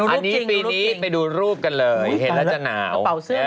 อันนี้ปีนี้ไปดูรูปกันเลยเห็นแล้วจะหนาวเสื้อ